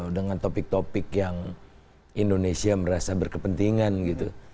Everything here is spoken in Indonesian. dengan topik topik yang indonesia merasa berkepentingan gitu